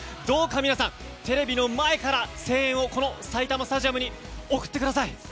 どうか皆さん、テレビの前から声援をこの埼玉スタジアムに送ってください。